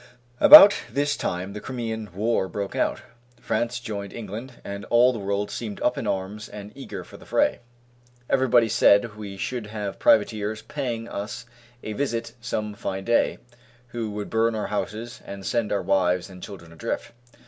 About this time the Crimean war broke out. France joined England, and all the world seemed up in arms and eager for the fray. Everybody said we should have privateers paying us a visit some fine day, who would burn our houses, and send our wives and children adrift.